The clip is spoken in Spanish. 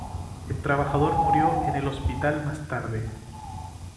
El trabajador murió en el hospital más tarde.